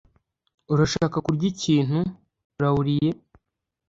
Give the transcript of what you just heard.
Urashaka kurya ikintu, Laurie?